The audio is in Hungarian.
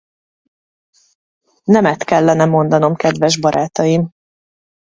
Nemet kellene mondanom kedves barátaim.